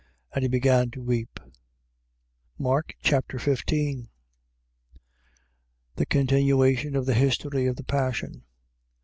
And he began to weep, Mark Chapter 15 The continuation of the history of the passion.